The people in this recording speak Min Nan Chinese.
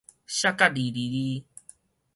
卸甲離離離